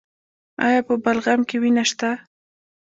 ایا په بلغم کې وینه شته؟